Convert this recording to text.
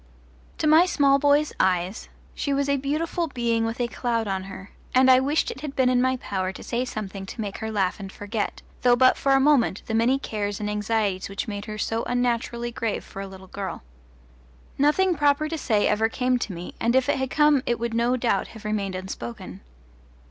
To my small boy's eyes she was a beautiful being with a cloud on her, and I wished it had been in my power to say something to make her laugh and forget, though but for a minute, the many cares and anxieties which made her so unnaturally grave for a little girl. Nothing proper to say ever came to me, and if it had come it would no doubt have remained unspoken.